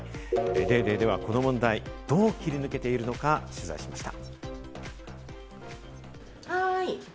『ＤａｙＤａｙ．』ではこの問題をどう切り抜けているのか取材しました。